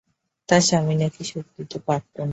তার স্বামী নাকি সুখ দিতে পারতো না।